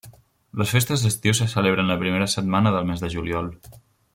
Les Festes d'Estiu se celebren la primera setmana del mes de juliol.